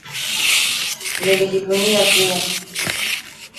Nilijivunia pia